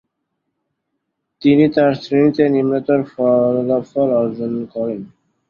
তিনি তার শ্রেণিতে নিম্নতর ফলাফল অর্জন করেন।